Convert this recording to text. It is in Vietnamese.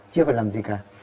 chưa phải làm gì cả